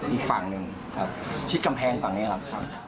อีกฝั่งหนึ่งครับชิดกำแพงฝั่งนี้ครับ